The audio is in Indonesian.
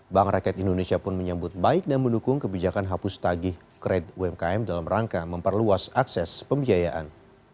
bank rakyat indonesia pun menyambut baik dan mendukung kebijakan hapus tagih kredit umkm dalam rangka memperluas akses pembiayaan